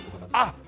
あっ！